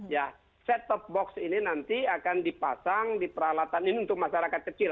ya set top box ini nanti akan dipasang di peralatan ini untuk masyarakat kecil